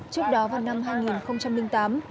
trước đó vào năm hai nghìn tám